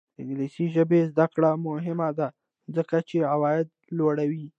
د انګلیسي ژبې زده کړه مهمه ده ځکه چې عاید لوړوي.